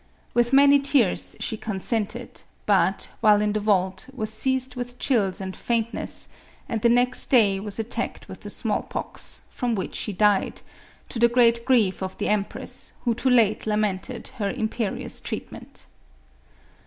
With many tears she consented, but, while in the vault, was seized with chills and faintness, and the next day was attacked with the small pox, from which she died, to the great grief of the empress, who too late lamented her imperious treatment.